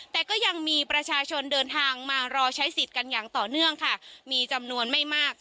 แต่ก็ยังมีประชาชนเดินทางมารอใช้สิทธิ์กันอย่างต่อเนื่องค่ะมีจำนวนไม่มาก